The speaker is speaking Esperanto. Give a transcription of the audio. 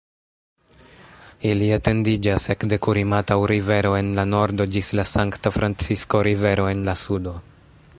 Ili etendiĝas ekde Kurimataŭ-Rivero en la nordo ĝis la Sankta-Francisko-Rivero en la sudo.